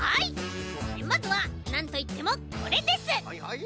まずはなんといってもこれです！